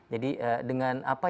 jadi dengan apa